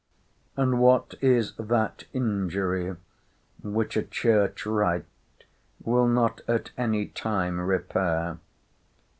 And what is that injury which a church rite will not at any time repair?